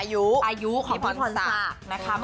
อายุของพี่พรศักดิ์